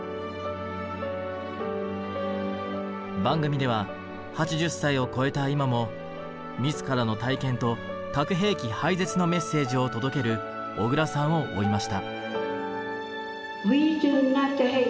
番組では８０歳を超えた今も自らの体験と核兵器廃絶のメッセージを届ける小倉さんを追いました。